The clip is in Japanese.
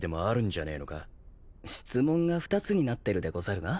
質問が２つになってるでござるが？